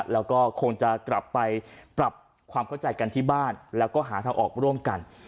แล้วก็คงจะกลับไปปรับความเข้าใจกันที่บ้านแล้วก็หาทางออกร่วมกัน